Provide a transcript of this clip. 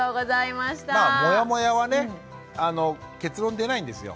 まあモヤモヤはね結論出ないんですよ。